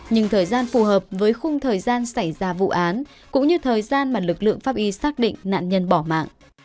nhưng thời gian phù hợp với khung thời gian xảy ra vụ án cũng như thời gian mà lực lượng pháp y xác định nạn nhân bỏ mạng